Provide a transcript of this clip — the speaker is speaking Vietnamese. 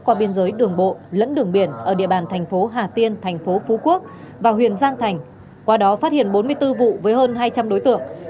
qua biên giới đường bộ lẫn đường biển ở địa bàn tp hà tiên tp phú quốc và huyền giang thành qua đó phát hiện bốn mươi bốn vụ với hơn hai trăm linh đối tượng